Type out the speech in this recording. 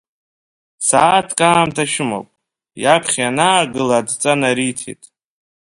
Сааҭк аамҭа шәымоуп, иаԥхьа ианаагыла адҵа нариҭеит.